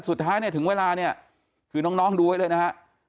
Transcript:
สุดท้ายเนี่ยถึงเวลาเนี่ยคือน้องดูไว้เลยนะฮะ